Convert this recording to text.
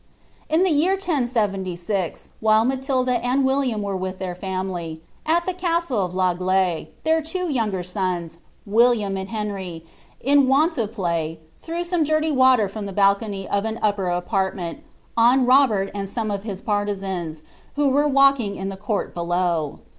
"' I ihe year 1070, while Matilda and William were with their family, p castle of L'Aigle, their two younger sons, William and Henry, in ^_ IDB play, threw some dirty water from the balcony of an upper TrjSnment, on Robert and aome of hia partisans, who were walking in cnutl below.